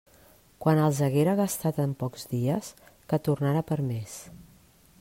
Quan els haguera gastat en pocs dies, que tornara per més.